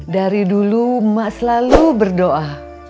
dari dulu emak selalu berdoa